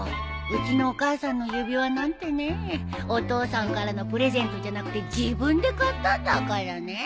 うちのお母さんの指輪なんてねお父さんからのプレゼントじゃなくて自分で買ったんだからね。